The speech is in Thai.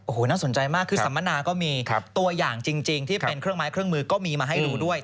โอ้โหน่าสนใจมากคือสัมมนาก็มีตัวอย่างจริงที่เป็นเครื่องไม้เครื่องมือก็มีมาให้ดูด้วย